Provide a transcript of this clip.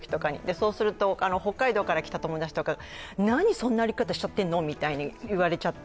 そうすると、北海道から来た友達とかが、何そんな歩き方しちゃってるの？みたいに言われちゃって。